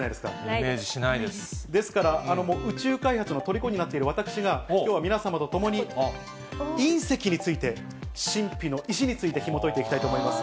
イメージしないでですから、宇宙開発のとりこになっている私が、きょうは皆様と共に、隕石について、神秘の石について、ひもといていきたいと思います。